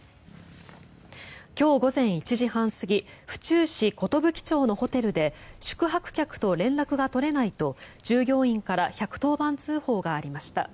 今日午前１時半過ぎ府中市寿町のホテルで宿泊客と連絡が取れないと従業員から１１０番通報がありました。